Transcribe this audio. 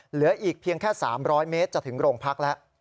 เหลืออีกเพียงแค่๓๐๐เมตรจะถึงโรงพักแล้ว